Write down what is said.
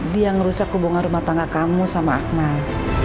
dia ngerusak hubungan rumah tangga kamu sama akmal